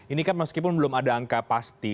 ini kan meskipun belum ada angka pasti